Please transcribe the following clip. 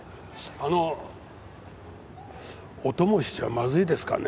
あのお供しちゃまずいですかね？